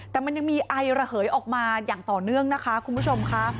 แต่มันยังมีไอระเหยออกมาอย่างต่อเนื่องนะคะคุณผู้ชมค่ะ